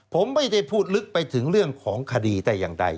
ผมไม่ได้พูดลึกไปถึงเรื่องของคดีแต่อย่างใด